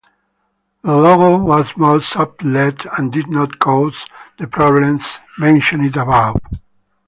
The logo was more subtle and did not cause the problems mentioned above.